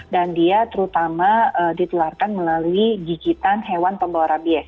dan dia terutama ditularkan melalui gigitan hewan pembawa rabies